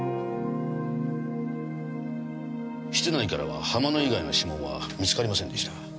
室内からは浜野以外の指紋は見つかりませんでした。